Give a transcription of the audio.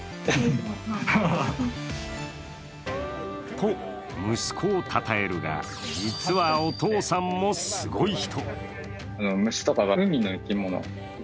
と、息子をたたえるが、実はお父さんもすごい人。